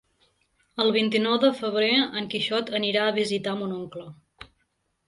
El vint-i-nou de febrer en Quixot anirà a visitar mon oncle.